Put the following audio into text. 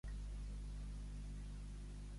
Quan va ser-hi, al festival, el Cor Brutal?